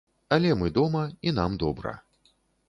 Але мы дома, і нам добра.